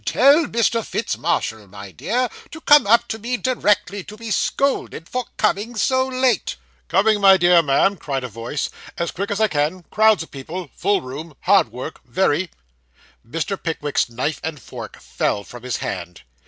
Tell Mr. Fitz Marshall, my dear, to come up to me directly, to be scolded for coming so late.' 'Coming, my dear ma'am,' cried a voice, 'as quick as I can crowds of people full room hard work very.' Mr. Pickwick's knife and fork fell from his hand.